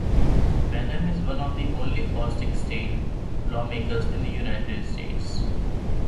Benham is one of the only autistic state lawmakers in the United States.